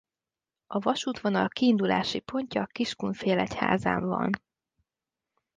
A vasútvonal kiindulási pontja Kiskunfélegyházán van.